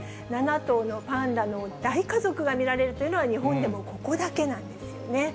７頭のパンダの大家族が見られるというのは、日本でもここだけなんですよね。